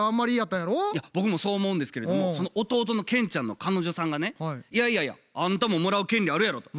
いや僕もそう思うんですけれどもその弟のケンちゃんの彼女さんがね「いやいやいやあんたももらう権利あるやろ」と。